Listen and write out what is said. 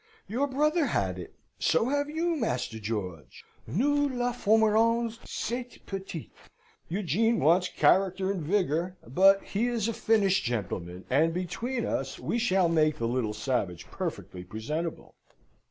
"Your brother had it so have you, Master George! Nous la formerons, cette petite. Eugene wants character and vigour, but he is a finished gentleman, and between us we shall make the little savage perfectly presentable."